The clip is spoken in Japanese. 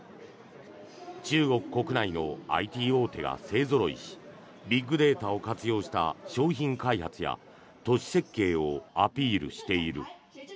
中国国内のＩＴ大手が勢ぞろいしビッグデータを活用した商品開発や都市設計をアピールしている。